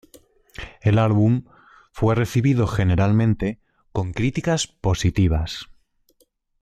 El álbum fue recibido generalmente con críticas positivas.